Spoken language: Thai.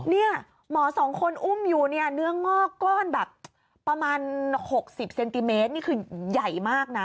เนี่ยหมอสองคนอุ้มอยู่เนี่ยเนื้องอกก้อนแบบประมาณ๖๐เซนติเมตรนี่คือใหญ่มากนะ